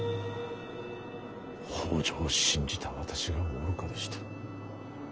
北条を信じた私が愚かでした。